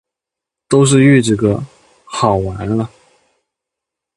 都是预制歌，好完了！